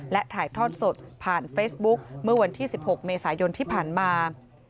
และถ่ายทอดสดผ่านเฟซบุ๊คเมื่อวันที่๑๖เมษายนที่ผ่านมา